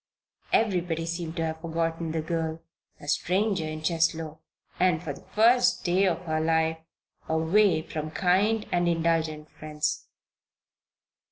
Everybody seemed to have forgotten the girl, a stranger in Cheslow, and for the first day of her life away from kind and indulgent friends.